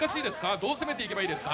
どう攻めていけばいいですか。